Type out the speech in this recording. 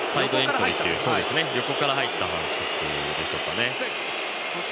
横から入った反則でしょうかね。